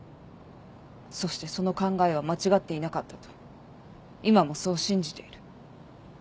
そしてその考えは間違っていなかったと今もそう信じている。